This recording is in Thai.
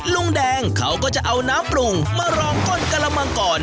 ลุงแดงเขาก็จะเอาน้ำปรุงมารองก้นกระมังก่อน